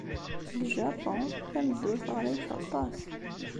Deg Japun, tameddurt ɣlayet aṭas.